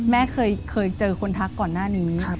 แม่เคยเจอคนทักก่อนหน้านี้